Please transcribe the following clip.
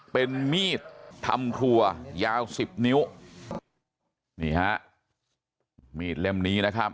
เป็นมีดทำครัวยาวสิบนิ้วนี่ฮะมีดเล่มนี้นะครับ